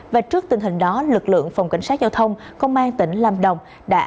và trước tình hình đó lực lượng phòng cảnh sát giao thông công an tỉnh lam đồng